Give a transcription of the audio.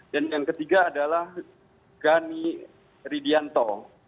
dan yang ketiga adalah ghani ridianto